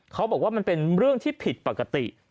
เขาบอกว่ามันเป็นเรื่องที่ผิดปกติ